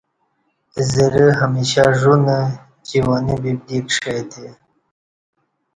زرہ ہمیشہ ژ ونہ جوانی ببدی کݜے تہ